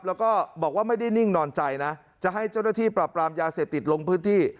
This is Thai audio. แล้วก็บอกว่าไม่ได้นิ่งนอนใจนะจะให้เจ้าหน้าที่ปรับปรามยาเสพติดลงพื้นที่